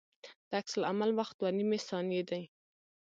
د عکس العمل وخت دوه نیمې ثانیې دی